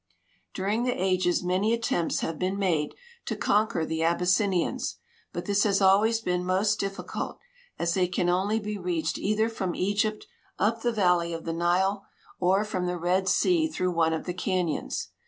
During the ages many attempts have been made to conquer the Abyssinians, but this has always been most difficult, as they can only be reached either from Egypt up the valley of the Nile or from the Red sea through one of the canyons.